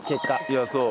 いやそう。